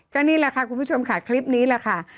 ก็นี่แหละค่ะคุณผู้ชมค่ะคลิปนี้แหละค่ะ